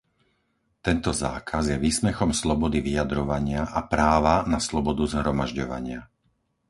Tento zákaz je výsmechom slobody vyjadrovania a práva na slobodu zhromažďovania.